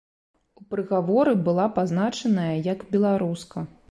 У прыгаворы была пазначаная як беларуска.